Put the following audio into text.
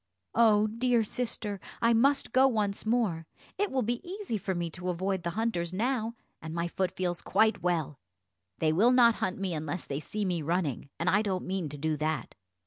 "Oh, dear sister, I must go once more; it will be easy for me to avoid the hunters now, and my foot feels quite well; they will not hunt me unless they see me running, and I don't mean to do that."